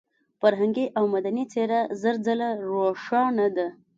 فرهنګي او مدني څېره زر ځله روښانه ده.